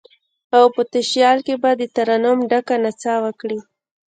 او په تشیال کې به، دترنم ډکه نڅا وکړي